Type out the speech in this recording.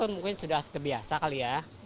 mungkin sudah terbiasa kali ya